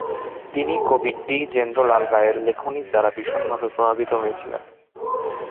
তিনি কবি দ্বিজেন্দ্রলাল রায়ের লেখনীর দ্বারা ভীষণভাবে প্রভাবান্বিত হয়েছিলেন।